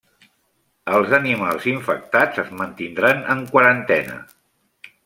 Els animals infectats es mantindran en quarantena.